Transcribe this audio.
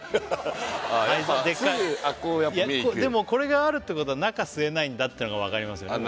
灰皿でっかいでもこれがあるってことは中吸えないんだってのがわかりますよね